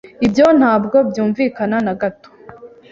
Ibyo ntabwo byumvikana na gato.